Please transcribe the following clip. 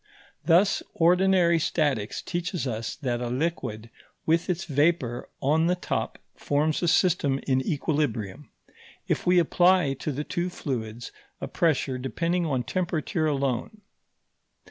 Thus, ordinary statics teaches us that a liquid with its vapour on the top forms a system in equilibrium, if we apply to the two fluids a pressure depending on temperature alone.